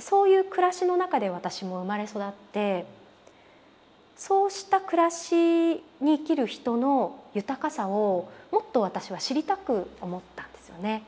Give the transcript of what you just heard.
そういう暮らしの中で私も生まれ育ってそうした暮らしに生きる人の豊かさをもっと私は知りたく思ったんですよね。